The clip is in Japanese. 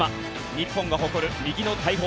日本が誇る右の大砲。